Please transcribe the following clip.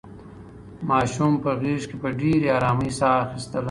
ماشوم په غېږ کې په ډېرې ارامۍ ساه اخیستله.